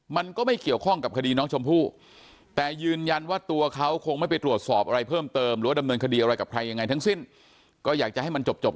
มันก็ไม่เกี่ยวข้องกับคดีน้องชมพู่แต่ยืนยันว่าตัวเขาคงไม่ไปตรวจสอบอะไรเพิ่มเติมหรือว่าดำเนินคดีอะไรกับใครยังไงทั้งสิ้นก็อยากจะให้มันจบ